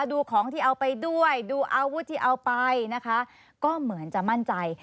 ดูของที่เอาไปด้วยดูอาวุธที่เอาไปนะคะก็เหมือนจะมั่นใจ